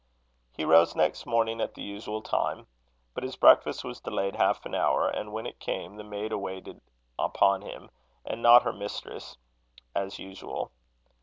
He rose next morning at the usual time. But his breakfast was delayed half an hour; and when it came, the maid waited upon him, and not her mistress, as usual.